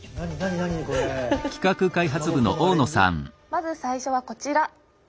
まず最初はこちら。